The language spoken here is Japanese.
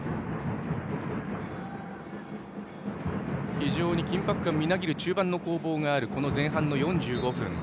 非常に緊迫感みなぎる中盤の攻防があった前半の４５分。